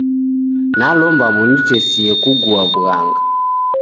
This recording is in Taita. Nalomba munitesie kugua w'ughanga.